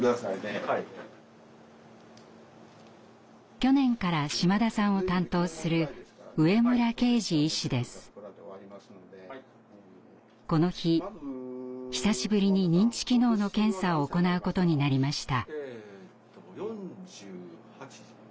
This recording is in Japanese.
去年から島田さんを担当するこの日久しぶりに認知機能の検査を行うことになりました。